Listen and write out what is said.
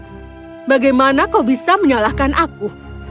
ee bagaimana kau bisa menyalahkan aku